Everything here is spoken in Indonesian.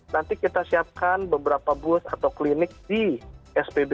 nanti kita siapkan beberapa booth atau klinik di spbu